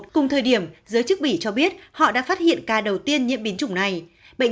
một mươi một cùng thời điểm giới chức mỹ cho biết họ đã phát hiện ca đầu tiên nhiễm biến chủng này bệnh